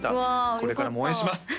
これからも応援します！